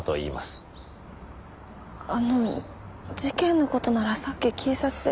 あの事件の事ならさっき警察で。